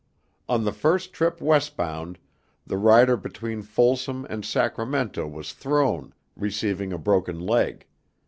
On the first trip west bound, the rider between Folsom and Sacramento was thrown, receiving a broken leg.